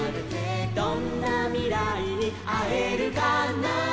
「どんなミライにあえるかな」